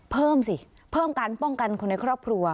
เพิ่มสิเพิ่มการป้องกันคนในครอบครัว